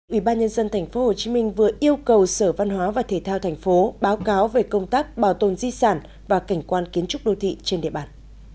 ủy ban nhân dân tp hcm vừa yêu cầu sở văn hóa và thể thao tp báo cáo về công tác bảo tồn di sản và cảnh quan kiến trúc đô thị trên địa bàn